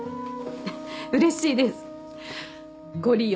うれしいですご利用